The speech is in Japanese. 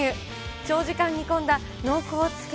長時間煮込んだ濃厚つけ